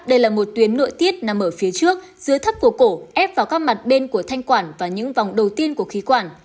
đây là một tuyến nội tiết nằm ở phía trước dưới thấp của cổ ép vào các mặt bên của thanh quản và những vòng đầu tiên của khí quản